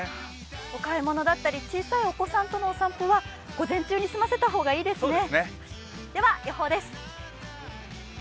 お買い物だったり、小さいお子さんとのお散歩は午前中に済ませた方がいいですね。